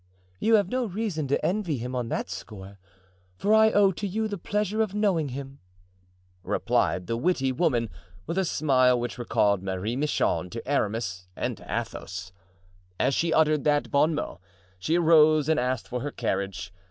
"You have no reason to envy him on that score, for I owe to you the pleasure of knowing him," replied the witty woman, with a smile which recalled Marie Michon to Aramis and to Athos. As she uttered that bon mot, she arose and asked for her carriage.